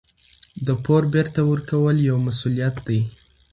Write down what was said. د پور بېرته ورکول یو مسوولیت دی.